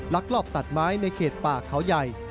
ลักลอบตัดไม้ในเขตป่าเขาใหญ่